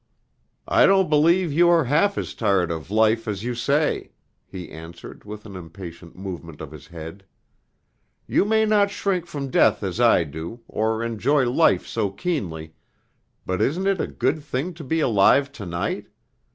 "I don't believe you are half as tired of life as you say," he answered with an impatient movement of his head. "You may not shrink from death as I do, or enjoy life so keenly, but isn't it a good thing to be alive to night?